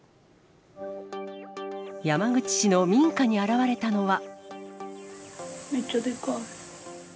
山口市の民家に現れたのは。